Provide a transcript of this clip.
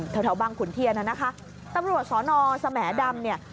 แถวบางขุนเทียนน่ะนะคะตำรวจสอนอสแหมดำเนี่ย